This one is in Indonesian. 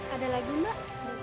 ada lagi mbak